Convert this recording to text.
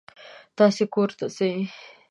تاسې کور ته ځئ.